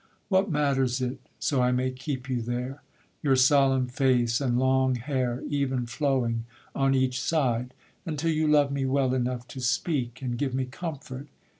What matters it So I may keep you there, your solemn face And long hair even flowing on each side, Until you love me well enough to speak, And give me comfort?